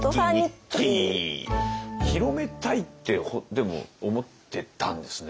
広めたいってでも思ってたんですね。